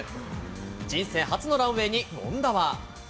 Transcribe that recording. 人生初のランウエーに権田は。